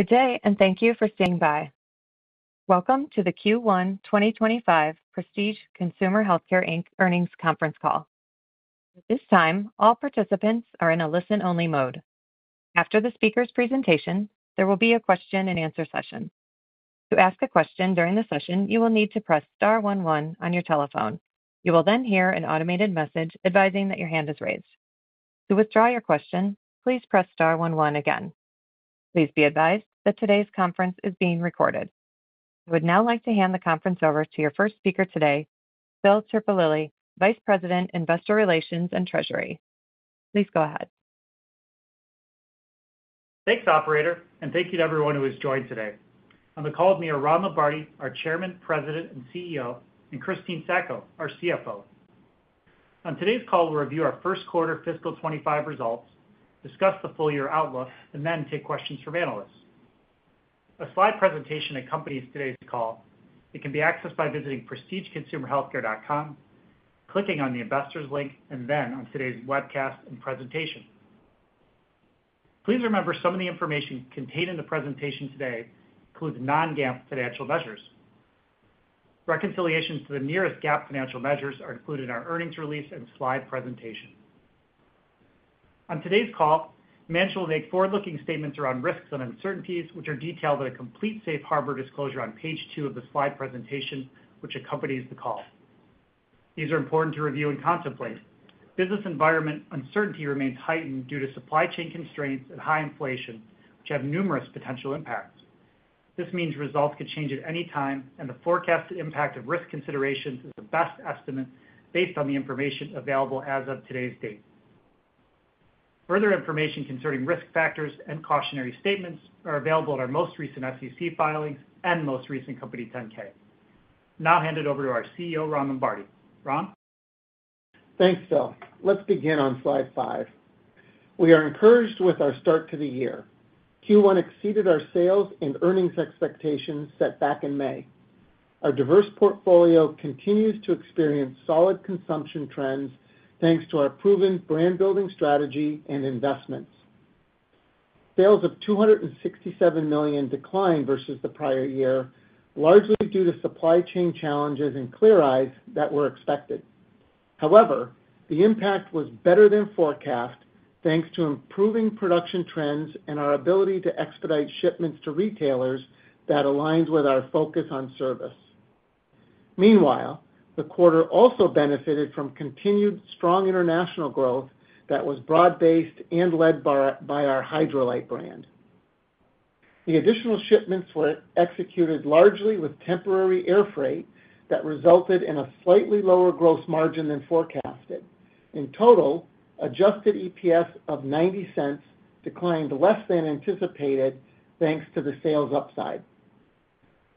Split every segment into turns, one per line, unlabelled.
Good day, and thank you for standing by. Welcome to the Q1 2025 Prestige Consumer Healthcare Inc Earnings Conference Call. At this time, all participants are in a listen-only mode. After the speaker's presentation, there will be a question-and-answer session. To ask a question during the session, you will need to press star one one on your telephone. You will then hear an automated message advising that your hand is raised. To withdraw your question, please press star one one again. Please be advised that today's conference is being recorded. I would now like to hand the conference over to your first speaker today, Phil Terpolilli, Vice President, Investor Relations and Treasury. Please go ahead.
Thanks, operator, and thank you to everyone who has joined today. On the call with me are Ron Lombardi, our Chairman, President, and CEO, and Christine Sacco, our CFO. On today's call, we'll review our first quarter fiscal 2025 results, discuss the full-year outlook, and then take questions from analysts. A slide presentation accompanies today's call. It can be accessed by visiting prestigeconsumerhealthcare.com, clicking on the Investors link, and then on today's webcast and presentation. Please remember, some of the information contained in the presentation today includes non-GAAP financial measures. Reconciliations to the nearest GAAP financial measures are included in our earnings release and slide presentation. On today's call, management will make forward-looking statements around risks and uncertainties, which are detailed in a complete safe harbor disclosure on page two of the slide presentation, which accompanies the call. These are important to review and contemplate. Business environment uncertainty remains heightened due to supply chain constraints and high inflation, which have numerous potential impacts. This means results could change at any time, and the forecasted impact of risk considerations is the best estimate based on the information available as of today's date. Further information concerning risk factors and cautionary statements are available in our most recent SEC filings and most recent company 10-K. Now I'll hand it over to our CEO, Ron Lombardi. Ron?
Thanks, Phil. Let's begin on slide five. We are encouraged with our start to the year. Q1 exceeded our sales and earnings expectations set back in May. Our diverse portfolio continues to experience solid consumption trends, thanks to our proven brand-building strategy and investments. Sales of $267 million declined versus the prior year, largely due to supply chain challenges in Clear Eyes that were expected. However, the impact was better than forecast, thanks to improving production trends and our ability to expedite shipments to retailers that aligns with our focus on service. Meanwhile, the quarter also benefited from continued strong international growth that was broad-based and led by our Hydralyte brand. The additional shipments were executed largely with temporary air freight that resulted in a slightly lower gross margin than forecasted. In total, adjusted EPS of $0.90 declined less than anticipated, thanks to the sales upside.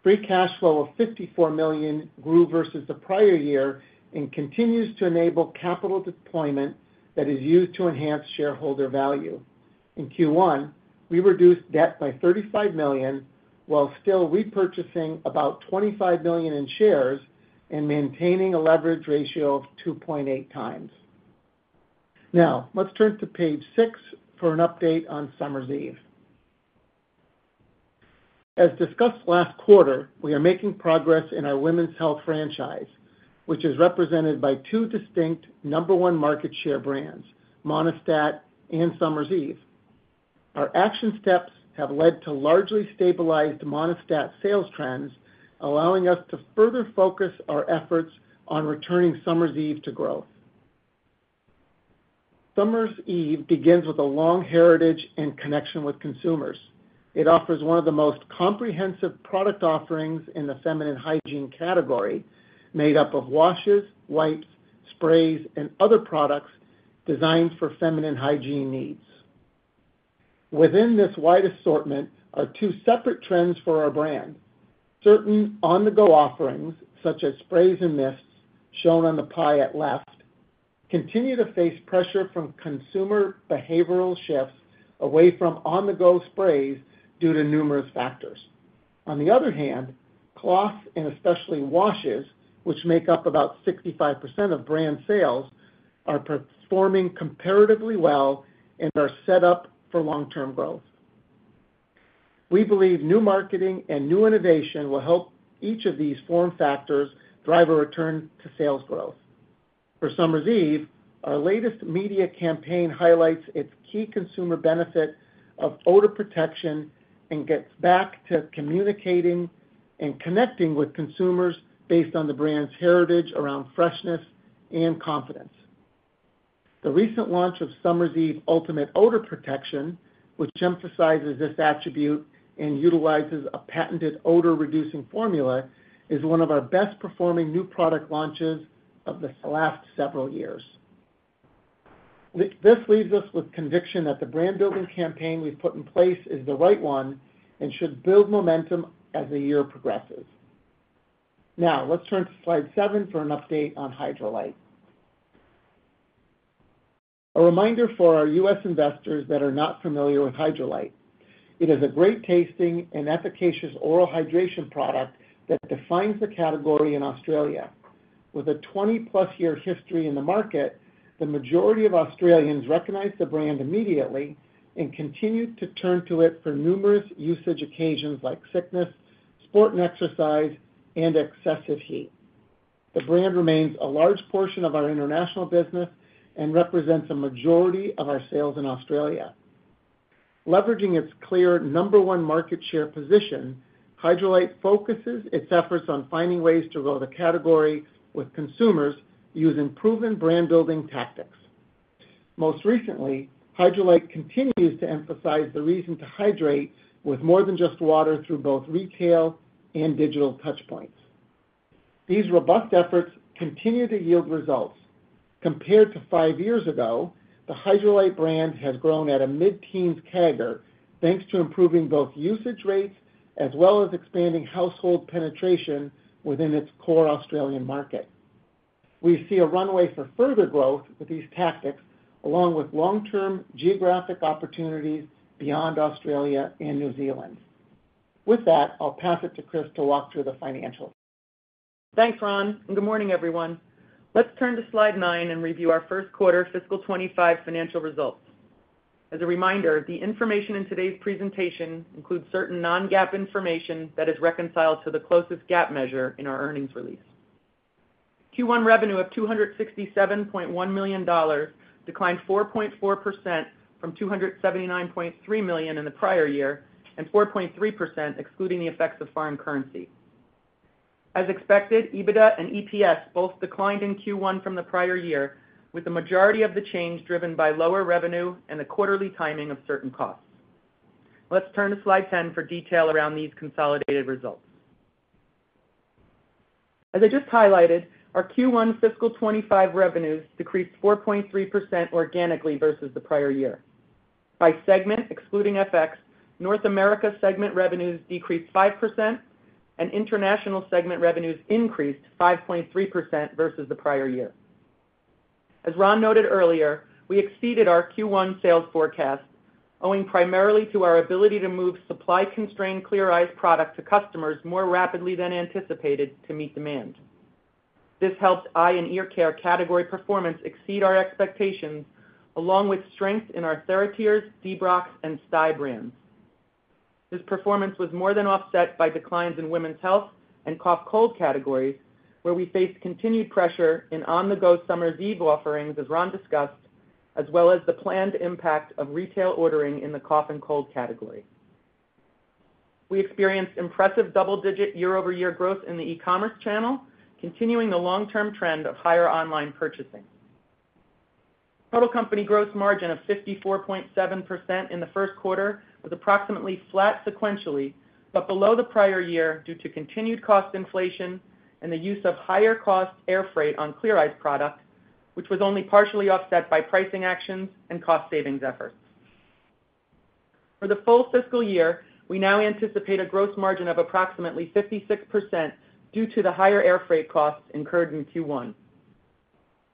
Free cash flow of $54 million grew versus the prior year and continues to enable capital deployment that is used to enhance shareholder value. In Q1, we reduced debt by $35 million, while still repurchasing about $25 million in shares and maintaining a leverage ratio of 2.8x. Now, let's turn to page six for an update on Summer's Eve. As discussed last quarter, we are making progress in our women's health franchise, which is represented by two distinct number-one market share brands, Monistat and Summer's Eve. Our action steps have led to largely stabilized Monistat sales trends, allowing us to further focus our efforts on returning Summer's Eve to growth. Summer's Eve begins with a long heritage and connection with consumers. It offers one of the most comprehensive product offerings in the feminine hygiene category, made up of washes, wipes, sprays, and other products designed for feminine hygiene needs. Within this wide assortment are two separate trends for our brand. Certain on-the-go offerings, such as sprays and mists, shown on the pie at left, continue to face pressure from consumer behavioral shifts away from on-the-go sprays due to numerous factors. On the other hand, cloths, and especially washes, which make up about 65% of brand sales, are performing comparatively well and are set up for long-term growth. We believe new marketing and new innovation will help each of these form factors drive a return to sales growth. For Summer's Eve, our latest media campaign highlights its key consumer benefit of odor protection and gets back to communicating and connecting with consumers based on the brand's heritage around freshness and confidence. The recent launch of Summer's Eve Ultimate Odor Protection, which emphasizes this attribute and utilizes a patented odor-reducing formula, is one of our best-performing new product launches of the last several years. This leaves us with conviction that the brand-building campaign we've put in place is the right one and should build momentum as the year progresses. Now, let's turn to slide seven for an update on Hydralyte. A reminder for our U.S. investors that are not familiar with Hydralyte. It is a great-tasting and efficacious oral hydration product that defines the category in Australia. With a 20+-year history in the market, the majority of Australians recognize the brand immediately and continue to turn to it for numerous usage occasions, like sickness, sport and exercise, and excessive heat. The brand remains a large portion of our international business and represents a majority of our sales in Australia. Leveraging its clear number one market share position, Hydralyte focuses its efforts on finding ways to grow the category with consumers using proven brand-building tactics. Most recently, Hydralyte continues to emphasize the reason to hydrate with more than just water through both retail and digital touchpoints. These robust efforts continue to yield results. Compared to five years ago, the Hydralyte brand has grown at a mid-teens CAGR, thanks to improving both usage rates as well as expanding household penetration within its core Australian market. We see a runway for further growth with these tactics, along with long-term geographic opportunities beyond Australia and New Zealand. With that, I'll pass it to Chris to walk through the financials.
Thanks, Ron, and good morning, everyone. Let's turn to slide nine and review our first quarter fiscal 2025 financial results. As a reminder, the information in today's presentation includes certain non-GAAP information that is reconciled to the closest GAAP measure in our earnings release. Q1 revenue of $267.1 million declined 4.4% from $279.3 million in the prior year, and 4.3%, excluding the effects of foreign currency. As expected, EBITDA and EPS both declined in Q1 from the prior year, with the majority of the change driven by lower revenue and the quarterly timing of certain costs. Let's turn to slide 10 for detail around these consolidated results. As I just highlighted, our Q1 fiscal 2025 revenues decreased 4.3% organically versus the prior year. By segment, excluding FX, North America segment revenues decreased 5%, and International segment revenues increased 5.3% versus the prior year. As Ron noted earlier, we exceeded our Q1 sales forecast, owing primarily to our ability to move supply-constrained Clear Eyes product to customers more rapidly than anticipated to meet demand. This helped eye and ear care category performance exceed our expectations, along with strength in our TheraTears, Debrox, and Stye brands. This performance was more than offset by declines in women's health and cough, cold categories, where we faced continued pressure in on-the-go Summer's Eve offerings, as Ron discussed, as well as the planned impact of retail ordering in the cough and cold category. We experienced impressive double-digit year-over-year growth in the e-commerce channel, continuing the long-term trend of higher online purchasing. Total company gross margin of 54.7% in the first quarter was approximately flat sequentially, but below the prior year due to continued cost inflation and the use of higher-cost air freight on Clear Eyes product, which was only partially offset by pricing actions and cost savings efforts. For the full fiscal year, we now anticipate a gross margin of approximately 56% due to the higher air freight costs incurred in Q1.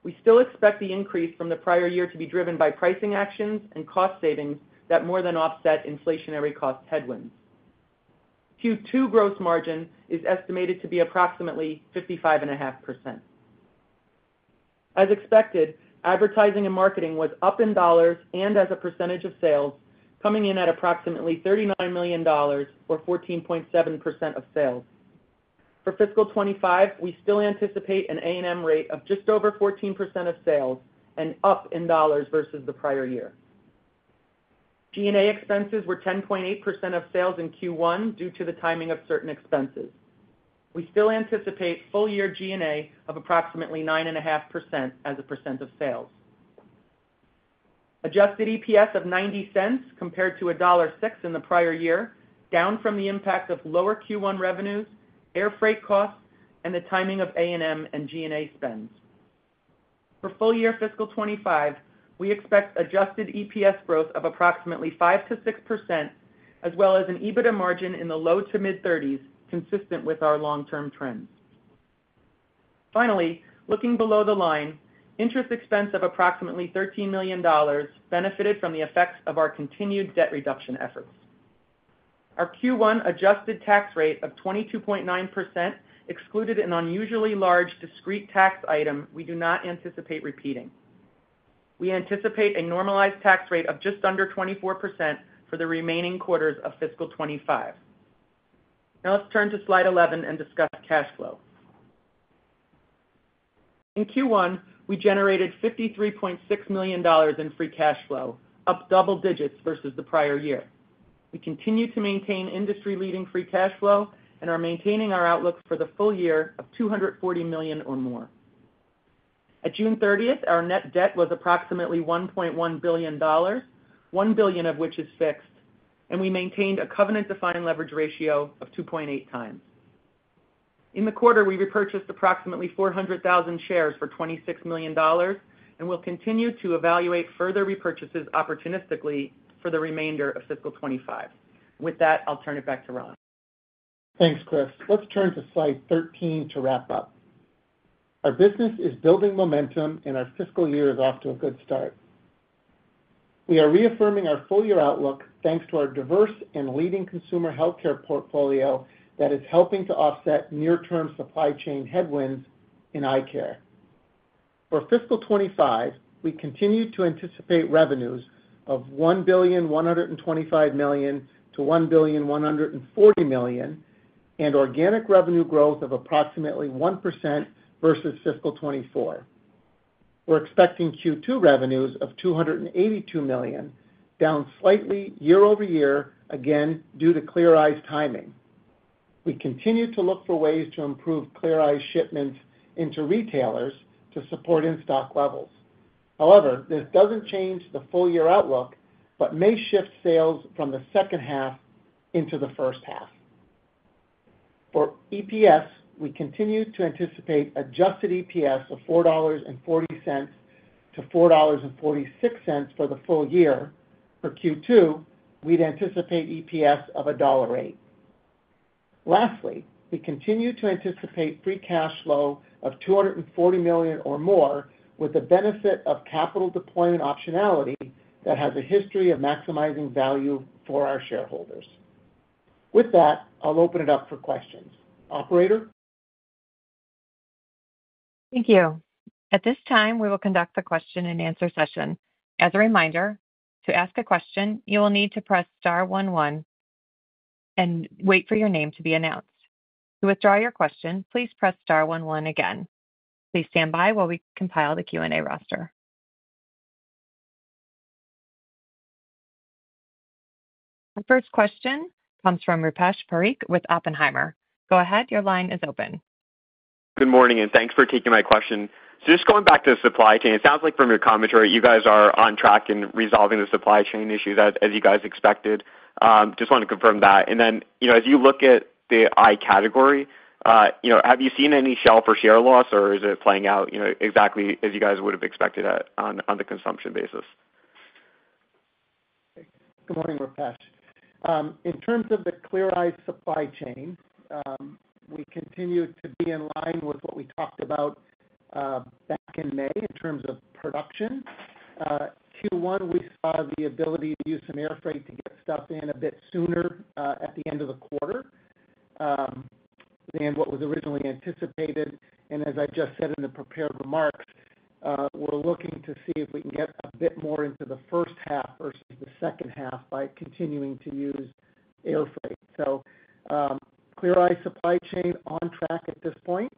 We still expect the increase from the prior year to be driven by pricing actions and cost savings that more than offset inflationary cost headwinds. Q2 gross margin is estimated to be approximately 55.5%. As expected, advertising and marketing was up in dollars and as a percentage of sales, coming in at approximately $39 million or 14.7% of sales. For fiscal 2025, we still anticipate an A&M rate of just over 14% of sales and up in dollars versus the prior year. G&A expenses were 10.8% of sales in Q1 due to the timing of certain expenses. We still anticipate full-year G&A of approximately 9.5% as a percent of sales. Adjusted EPS of $0.90 compared to $1.06 in the prior year, down from the impact of lower Q1 revenues, air freight costs, and the timing of A&M and G&A spends. For full-year fiscal 2025, we expect adjusted EPS growth of approximately 5%-6%, as well as an EBITDA margin in the low-to-mid 30s, consistent with our long-term trends. Finally, looking below the line, interest expense of approximately $13 million benefited from the effects of our continued debt reduction efforts. Our Q1 adjusted tax rate of 22.9% excluded an unusually large discrete tax item we do not anticipate repeating. We anticipate a normalized tax rate of just under 24% for the remaining quarters of fiscal 2025. Now, let's turn to slide 11 and discuss cash flow. In Q1, we generated $53.6 million in free cash flow, up double digits versus the prior year. We continue to maintain industry-leading free cash flow and are maintaining our outlook for the full year of $240 million or more. At June thirtieth, our net debt was approximately $1.1 billion, $1 billion of which is fixed, and we maintained a covenant-defined leverage ratio of 2.8x. In the quarter, we repurchased approximately 400,000 shares for $26 million and will continue to evaluate further repurchases opportunistically for the remainder of fiscal 2025. With that, I'll turn it back to Ron.
Thanks, Chris. Let's turn to slide 13 to wrap up. Our business is building momentum, and our fiscal year is off to a good start. We are reaffirming our full year outlook, thanks to our diverse and leading consumer healthcare portfolio that is helping to offset near-term supply chain headwinds in eye care. For fiscal 2025, we continue to anticipate revenues of $1.125 billion-$1.140 billion, and organic revenue growth of approximately 1% versus fiscal 2024. We're expecting Q2 revenues of $282 million, down slightly year-over-year, again, due to Clear Eyes timing. We continue to look for ways to improve Clear Eyes shipments into retailers to support in-stock levels. However, this doesn't change the full year outlook, but may shift sales from the second half into the first half. For EPS, we continue to anticipate adjusted EPS of $4.40-$4.46 for the full year. For Q2, we'd anticipate EPS of a dollar rate. Lastly, we continue to anticipate free cash flow of $240 million or more, with the benefit of capital deployment optionality that has a history of maximizing value for our shareholders. With that, I'll open it up for questions. Operator?
Thank you. At this time, we will conduct the question-and-answer session. As a reminder, to ask a question, you will need to press star one one and wait for your name to be announced. To withdraw your question, please press star one one again. Please stand by while we compile the Q&A roster. The first question comes from Rupesh Parikh with Oppenheimer. Go ahead, your line is open.
Good morning, and thanks for taking my question. So just going back to the supply chain, it sounds like from your commentary, you guys are on track in resolving the supply chain issue as you guys expected. Just want to confirm that. And then, you know, as you look at the eye category, you know, have you seen any shelf or share loss, or is it playing out, you know, exactly as you guys would have expected on the consumption basis?
Good morning, Rupesh. In terms of the Clear Eyes supply chain, we continue to be in line with what we talked about back in May in terms of production. Q1, we saw the ability to use some airfreight to get stuff in a bit sooner at the end of the quarter than what was originally anticipated. And as I just said in the prepared remarks, we're looking to see if we can get a bit more into the first half versus the second half by continuing to use airfreight. Clear Eyes supply chain on track at this point.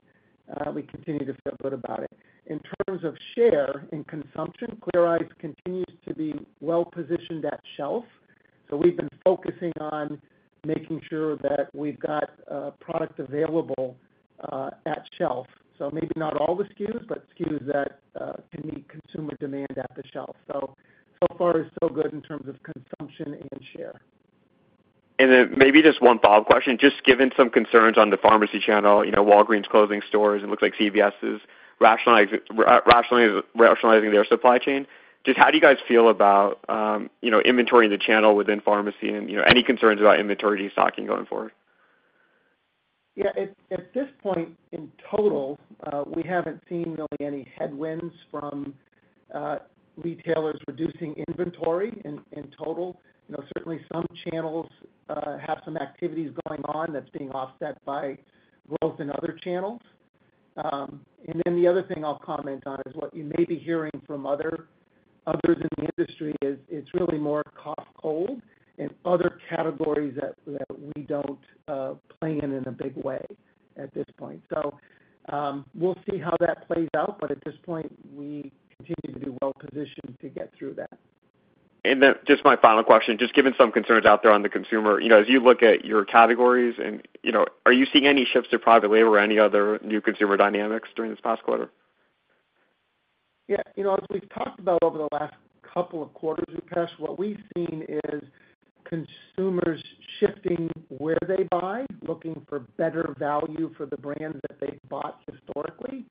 We continue to feel good about it. In terms of share and consumption, Clear Eyes continues to be well positioned at shelf, so we've been focusing on making sure that we've got product available at shelf. So maybe not all the SKUs, but SKUs that can meet consumer demand at the shelf. So, so far, so good in terms of consumption and share.
And then maybe just one follow-up question. Just given some concerns on the pharmacy channel, you know, Walgreens closing stores, it looks like CVS is rationalizing their supply chain. Just how do you guys feel about, you know, inventory in the channel within pharmacy and, you know, any concerns about inventory stocking going forward?
Yeah, at this point, in total, we haven't seen really any headwinds from retailers reducing inventory in total. You know, certainly some channels have some activities going on that's being offset by growth in other channels. And then the other thing I'll comment on is what you may be hearing from others in the industry is it's really more cough, cold, and other categories that we don't play in a big way at this point. So, we'll see how that plays out, but at this point, we continue to be well positioned to get through that.
And then just my final question, just given some concerns out there on the consumer, you know, as you look at your categories and, you know, are you seeing any shifts to private label or any other new consumer dynamics during this past quarter?
Yeah, you know, as we've talked about over the last couple of quarters, Rupesh, what we've seen is consumers shifting where they buy, looking for better value for the brands that they've bought historically,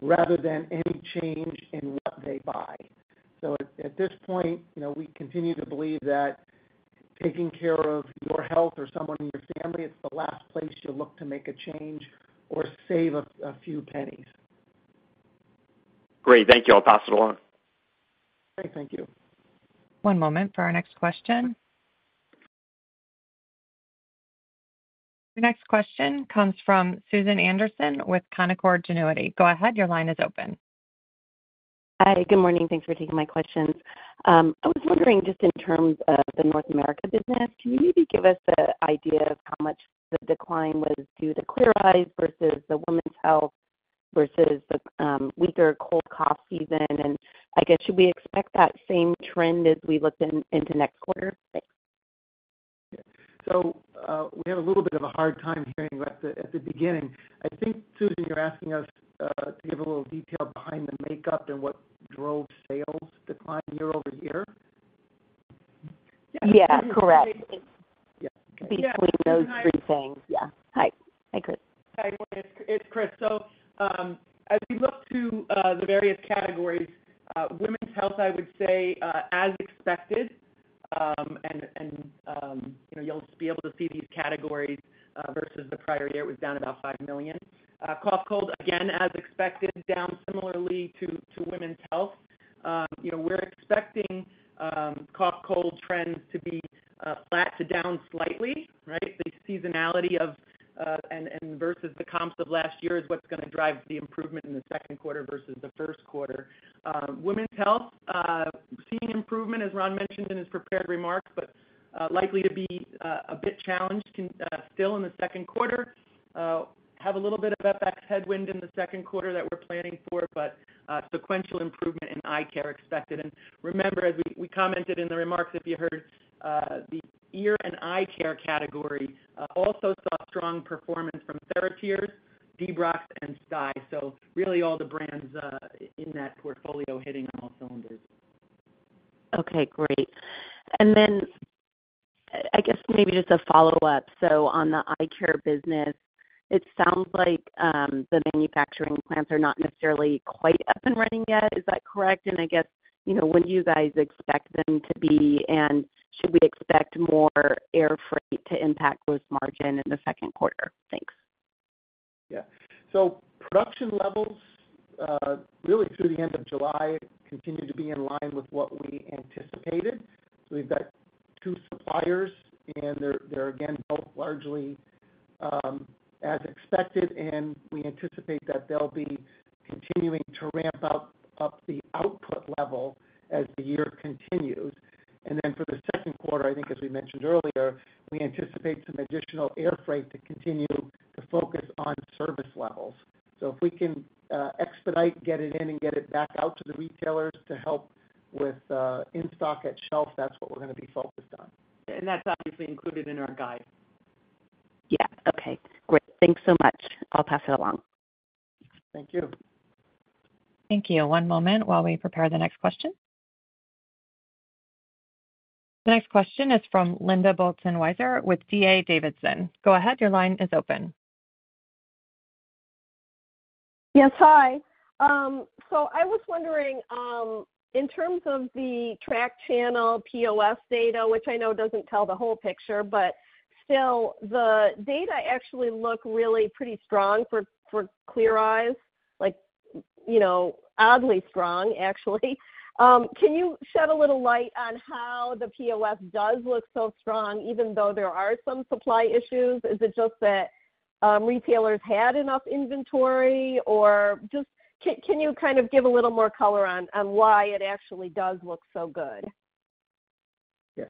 rather than any change in what they buy. So at this point, you know, we continue to believe that taking care of your health or someone in your family, it's the last place you look to make a change or save a few pennies.
Great. Thank you. I'll pass it along.
Okay, thank you.
One moment for our next question. The next question comes from Susan Anderson with Canaccord Genuity. Go ahead, your line is open.
Hi, good morning. Thanks for taking my questions. I was wondering, just in terms of the North America business, can you maybe give us an idea of how much the decline was due to Clear Eyes versus the women's health versus the, weaker cold cough season? And I guess, should we expect that same trend as we look into next quarter? Thanks.
So, we had a little bit of a hard time hearing you at the beginning. I think, Susan, you're asking us to give a little detail behind the makeup and what drove sales decline year-over-year?
Yeah, correct.
Yeah.
Between those three things. Yeah. Hi. Hi, Chris.
Hi, it's Chris. So, as we look to the various categories, women's health, I would say, as expected.... You know, you'll be able to see these categories versus the prior year, it was down about $5 million. Cough, cold, again, as expected, down similarly to women's health. You know, we're expecting cough, cold trends to be flat to down slightly, right? The seasonality of and versus the comps of last year is what's gonna drive the improvement in the second quarter versus the first quarter. Women's health seeing improvement, as Ron mentioned in his prepared remarks, but likely to be a bit challenged, still in the second quarter. Have a little bit of FX headwind in the second quarter that we're planning for, but sequential improvement in eye care expected. And remember, as we commented in the remarks, if you heard, the ear and eye care category also saw strong performance from TheraTears, Debrox and Stye. So really all the brands in that portfolio hitting on all cylinders.
Okay, great. And then I guess maybe just a follow-up. So on the eye care business, it sounds like, the manufacturing plants are not necessarily quite up and running yet. Is that correct? And I guess, you know, when do you guys expect them to be, and should we expect more air freight to impact gross margin in the second quarter? Thanks.
Yeah. So production levels really through the end of July continued to be in line with what we anticipated. So we've got two suppliers, and they're again both largely as expected, and we anticipate that they'll be continuing to ramp up the output level as the year continues. And then for the second quarter, I think, as we mentioned earlier, we anticipate some additional air freight to continue to focus on service levels. So if we can expedite, get it in and get it back out to the retailers to help with in-stock at shelf, that's what we're gonna be focused on.
That's obviously included in our guide.
Yeah. Okay, great. Thanks so much. I'll pass it along.
Thank you.
Thank you. One moment while we prepare the next question. The next question is from Linda Bolton Weiser with D.A. Davidson. Go ahead, your line is open.
Yes, hi. So I was wondering, in terms of the track channel POS data, which I know doesn't tell the whole picture, but still the data actually look really pretty strong for Clear Eyes, like, you know, oddly strong, actually. Can you shed a little light on how the POS does look so strong, even though there are some supply issues? Is it just that, retailers had enough inventory, or just... Can you kind of give a little more color on why it actually does look so good?
Yeah.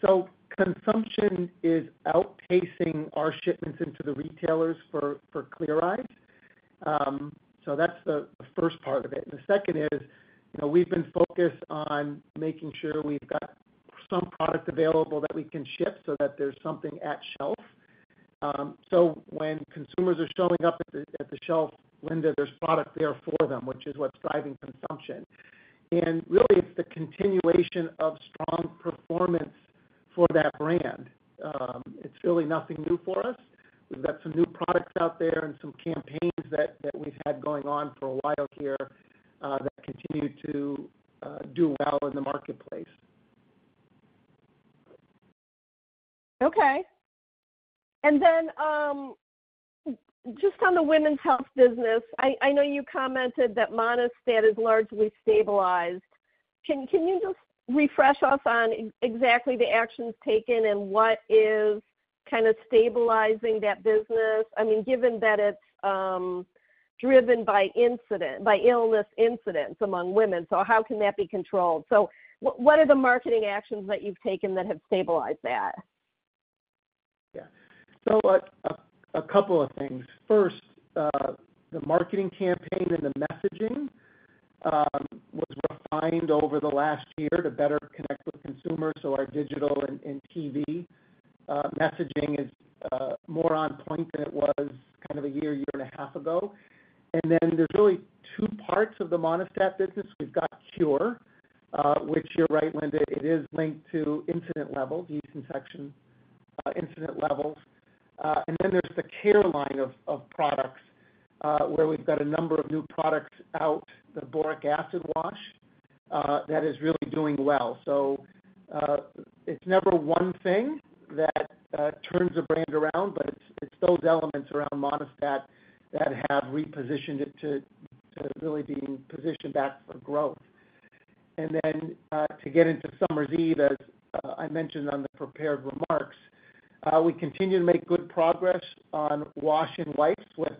So consumption is outpacing our shipments into the retailers for Clear Eyes. So that's the first part of it. And the second is, you know, we've been focused on making sure we've got some product available that we can ship so that there's something at shelf. So when consumers are showing up at the shelf, Linda, there's product there for them, which is what's driving consumption. And really, it's the continuation of strong performance for that brand. It's really nothing new for us. We've got some new products out there and some campaigns that we've had going on for a while here that continue to do well in the marketplace.
Okay. And then, just on the women's health business, I know you commented that Monistat is largely stabilized. Can you just refresh us on exactly the actions taken and what is kind of stabilizing that business? I mean, given that it's driven by illness incidents among women, so how can that be controlled? So what are the marketing actions that you've taken that have stabilized that?
Yeah. So a couple of things. First, the marketing campaign and the messaging was refined over the last year to better connect with consumers. So our digital and TV messaging is more on point than it was kind of a year and a half ago. And then there's really two parts of the Monistat business. We've got cure, which you're right, Linda, it is linked to incident levels, yeast infection incident levels. And then there's the care line of products, where we've got a number of new products out, the boric acid wash, that is really doing well. So it's never one thing that turns a brand around, but it's those elements around Monistat that have repositioned it to really being positioned back for growth. And then, to get into Summer's Eve, as I mentioned on the prepared remarks, we continue to make good progress on wash and wipes with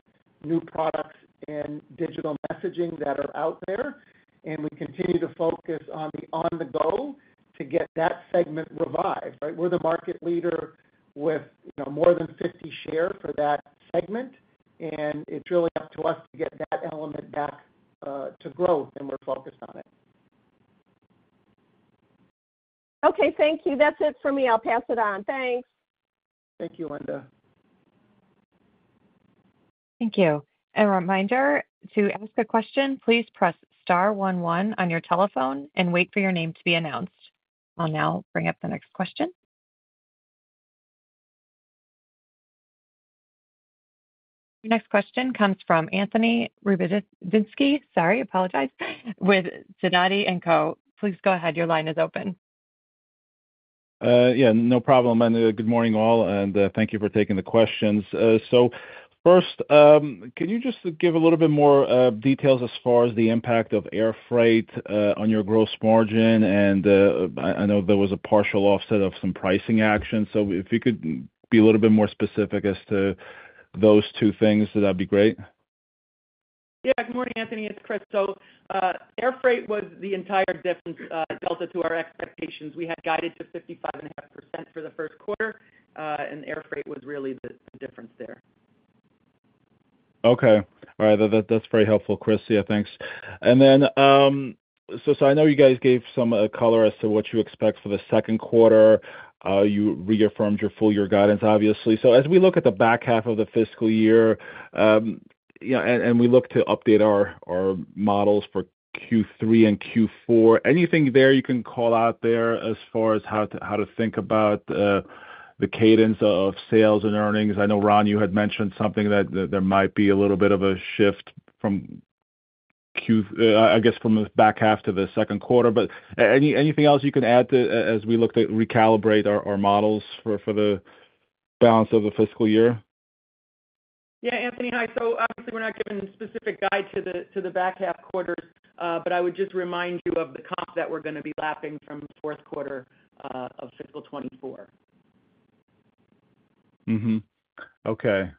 new products and digital messaging that are out there, and we continue to focus on the on-the-go to get that segment revived, right? We're the market leader with, you know, more than 50 share for that segment, and it's really up to us to get that element back, to growth, and we're focused on it.
Okay, thank you. That's it for me. I'll pass it on. Thanks.
Thank you, Linda.
Thank you. A reminder, to ask a question, please press star one one on your telephone and wait for your name to be announced. I'll now bring up the next question. Your next question comes from Anthony Lebiedzinski. Sorry, I apologize. With Sidoti & Co. Please go ahead. Your line is open.
Yeah, no problem, and good morning, all, and thank you for taking the questions. So first, can you just give a little bit more details as far as the impact of air freight on your gross margin? And I know there was a partial offset of some pricing action. So if you could be a little bit more specific as to those two things, that'd be great.
Yeah. Good morning, Anthony. It's Chris. So, air freight was the entire difference, delta to our expectations. We had guided to 55.5% for the first quarter, and air freight was really the difference there.
Okay. All right, that, that's very helpful, Chris. Yeah, thanks. And then, so I know you guys gave some color as to what you expect for the second quarter. You reaffirmed your full year guidance, obviously. So as we look at the back half of the fiscal year, you know, and we look to update our models for Q3 and Q4, anything there you can call out there as far as how to think about the cadence of sales and earnings? I know, Ron, you had mentioned something that there might be a little bit of a shift from Q- I guess, from the back half to the second quarter. But anything else you can add to as we look to recalibrate our models for the balance of the fiscal year?
Yeah, Anthony. Hi. So obviously, we're not giving specific guide to the back half quarters, but I would just remind you of the comps that we're gonna be lapping from fourth quarter of fiscal 2024.
Mm-hmm. Okay.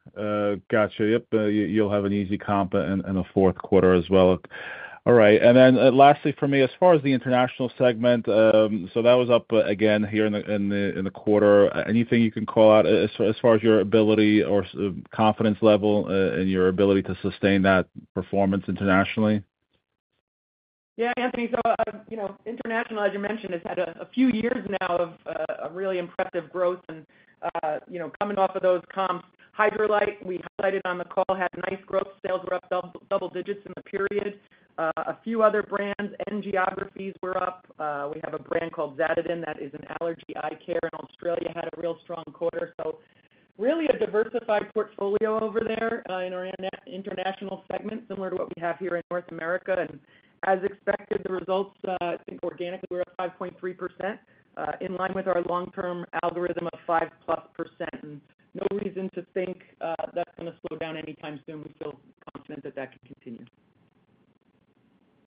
Gotcha. Yep, you'll have an easy comp in the fourth quarter as well. All right, and then, lastly for me, as far as the international segment, so that was up again here in the quarter. Anything you can call out as far as your ability or confidence level in your ability to sustain that performance internationally?
Yeah, Anthony, so, you know, international, as you mentioned, has had a few years now of a really impressive growth and, you know, coming off of those comps. Hydralyte, we highlighted on the call, had nice growth. Sales were up double digits in the period. A few other brands and geographies were up. We have a brand called Zaditen, that is an allergy eye care in Australia, had a real strong quarter. So really a diversified portfolio over there, in our international segment, similar to what we have here in North America. And as expected, the results, I think organically were up 5.3%, in line with our long-term algorithm of 5%+. And no reason to think that's gonna slow down anytime soon. We feel confident that that can continue.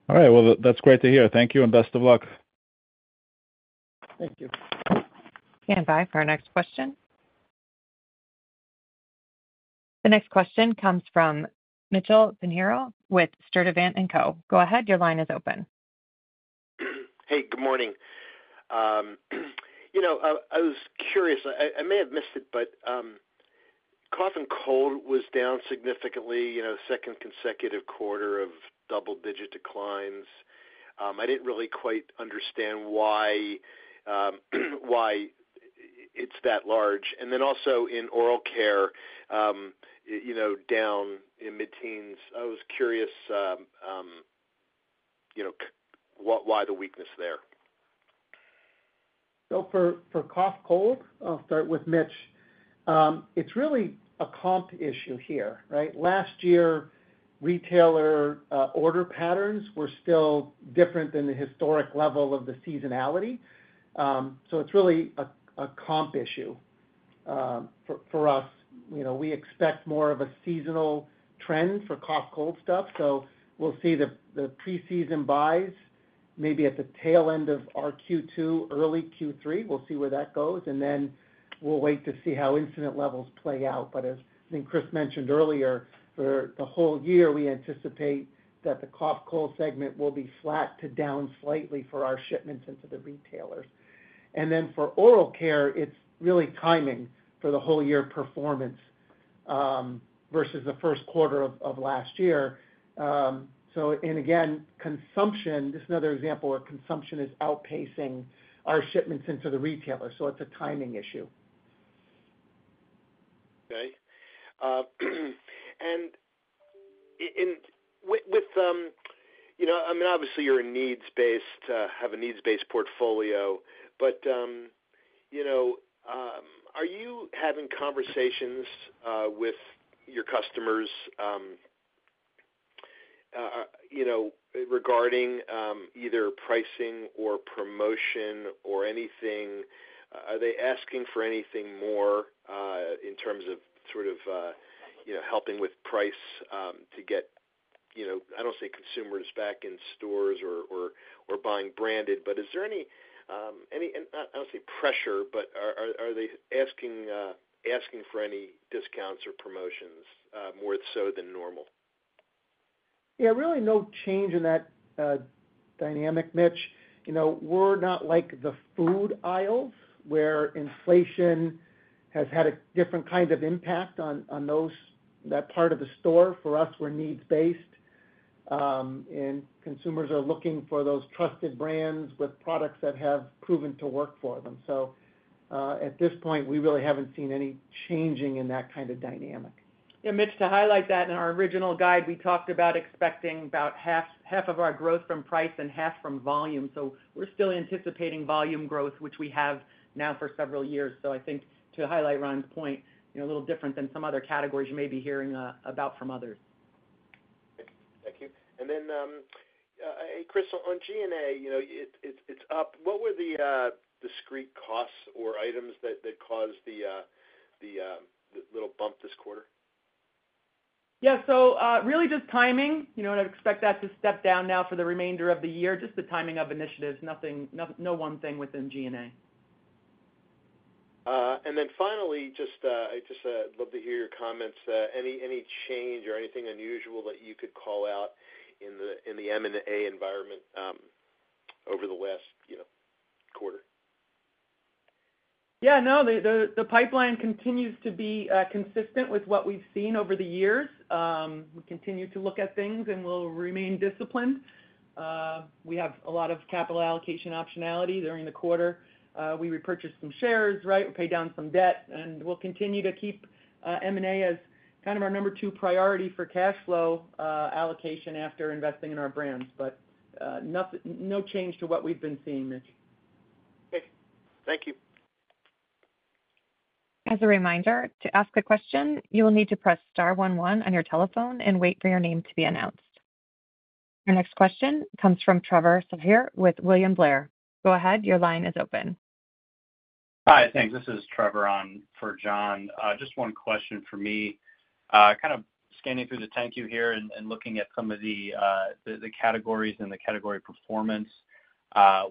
All right. Well, that's great to hear. Thank you, and best of luck.
Thank you.
Stand by for our next question. The next question comes from Mitchell Pinheiro with Sturdivant & Co. Go ahead, your line is open.
Hey, good morning. You know, I may have missed it, but cough and cold was down significantly, you know, second consecutive quarter of double-digit declines. I didn't really quite understand why it's that large. And then also in oral care, you know, down in mid-teens, I was curious, you know, why the weakness there?
So for cough cold, I'll start with Mitch. It's really a comp issue here, right? Last year, retailer order patterns were still different than the historic level of the seasonality. So it's really a comp issue for us. You know, we expect more of a seasonal trend for cough cold stuff, so we'll see the preseason buys maybe at the tail end of our Q2, early Q3. We'll see where that goes, and then we'll wait to see how incident levels play out. But as I think Chris mentioned earlier, for the whole year, we anticipate that the cough cold segment will be flat to down slightly for our shipments into the retailers. And then for oral care, it's really timing for the whole year performance versus the first quarter of last year. And again, consumption is another example where consumption is outpacing our shipments into the retailer, so it's a timing issue.
Okay. And with, with, you know, I mean, obviously you're a needs-based, have a needs-based portfolio. But, you know, are you having conversations with your customers, you know, regarding either pricing or promotion or anything? Are they asking for anything more in terms of sort of, you know, helping with price to get, you know, I don't want to say consumers back in stores or, or, or buying branded, but is there any, any, and I don't want to say pressure, but are, are, are they asking asking for any discounts or promotions more so than normal?
Yeah, really no change in that dynamic, Mitch. You know, we're not like the food aisles, where inflation has had a different kind of impact on, on those, that part of the store. For us, we're needs-based, and consumers are looking for those trusted brands with products that have proven to work for them. So, at this point, we really haven't seen any changing in that kind of dynamic.
Yeah, Mitch, to highlight that, in our original guide, we talked about expecting about half, half of our growth from price and half from volume. So we're still anticipating volume growth, which we have now for several years. So I think to highlight Ron's point, you know, a little different than some other categories you may be hearing about from others....
Thank you. And then, hey, Chris, on G&A, you know, it's up. What were the discrete costs or items that caused the little bump this quarter?
Yeah, so, really just timing. You know, and I'd expect that to step down now for the remainder of the year, just the timing of initiatives. Nothing, no one thing within G&A.
And then finally, just, I'd just love to hear your comments, any, any change or anything unusual that you could call out in the, in the M&A environment, over the last, you know, quarter?
Yeah, no, the pipeline continues to be consistent with what we've seen over the years. We continue to look at things, and we'll remain disciplined. We have a lot of capital allocation optionality during the quarter. We repurchased some shares, right? We paid down some debt, and we'll continue to keep M&A as kind of our number two priority for cash flow allocation after investing in our brands. But, nothing, no change to what we've been seeing, Mitch.
Okay. Thank you.
As a reminder, to ask a question, you will need to press star one one on your telephone and wait for your name to be announced. Our next question comes from Trevor Sahr with William Blair. Go ahead, your line is open.
Hi, thanks. This is Trevor on for John. Just one question for me. Kind of scanning through the 10-Q here and looking at some of the categories and the category performance,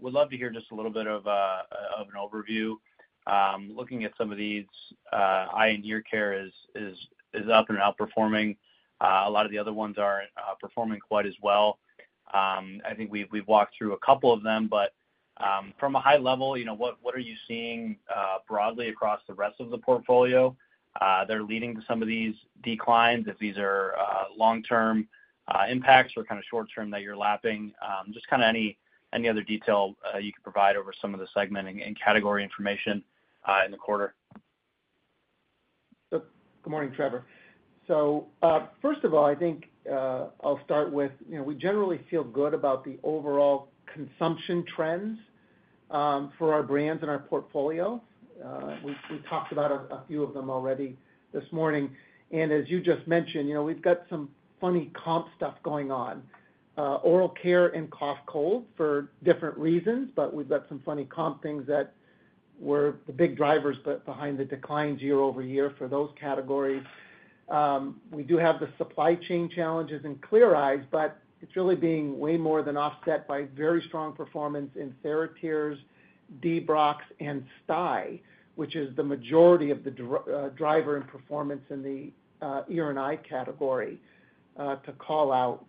would love to hear just a little bit of an overview. Looking at some of these, eye and ear care is up and outperforming. A lot of the other ones aren't performing quite as well. I think we've walked through a couple of them, but from a high level, you know, what are you seeing broadly across the rest of the portfolio that are leading to some of these declines, if these are long-term impacts or kind of short-term that you're lapping? Just kind of any other detail you could provide over some of the segmenting and category information in the quarter.
Good morning, Trevor. First of all, I think I'll start with, you know, we generally feel good about the overall consumption trends for our brands and our portfolio. We talked about a few of them already this morning, and as you just mentioned, you know, we've got some funny comp stuff going on. Oral care and cough, cold for different reasons, but we've got some funny comp things that were the big drivers behind the declines year-over-year for those categories. We do have the supply chain challenges in Clear Eyes, but it's really being way more than offset by very strong performance in TheraTears, Debrox, and Stye, which is the majority of the driver and performance in the ear and eye category, to call out.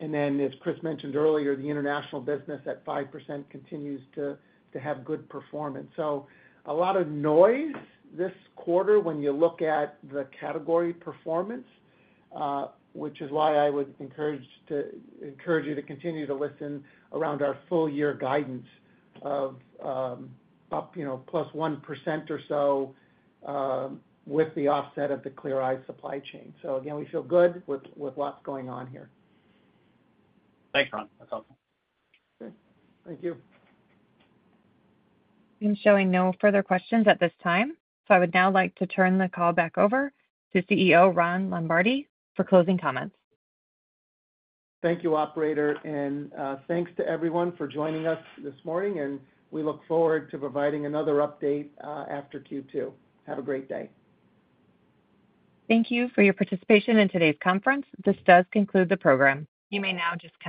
And then, as Chris mentioned earlier, the international business at 5% continues to have good performance. So a lot of noise this quarter when you look at the category performance, which is why I would encourage you to continue to listen around our full year guidance of, up, you know, +1% or so, with the offset of the Clear Eyes supply chain. So again, we feel good with what's going on here.
Thanks, Ron. That's helpful.
Okay. Thank you.
I'm showing no further questions at this time, so I would now like to turn the call back over to CEO Ron Lombardi for closing comments.
Thank you, operator, and thanks to everyone for joining us this morning, and we look forward to providing another update after Q2. Have a great day.
Thank you for your participation in today's conference. This does conclude the program. You may now disconnect.